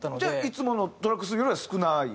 いつものトラック数よりは少ない？